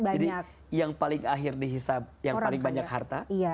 jadi yang paling akhir dihisap yang paling banyak harta